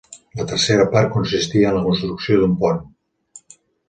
La tercera part consistia en la construcció d'un pont.